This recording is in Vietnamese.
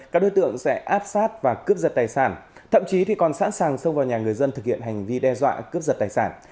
các đối tượng sẽ áp sát và cướp giật tài sản thậm chí còn sẵn sàng xông vào nhà người dân thực hiện hành vi đe dọa cướp giật tài sản